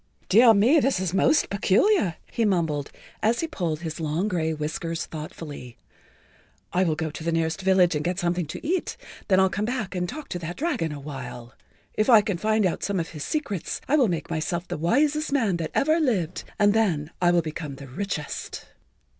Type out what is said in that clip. "Dear me, this is most peculiar," he mumbled, as he pulled his long gray whiskers[Pg 49] thoughtfully. "I will go to the nearest village and get something to eat, then I'll come back and talk to that dragon a while. If I can find out some of his secrets I will make myself the wisest man that ever lived and then will I become the richest."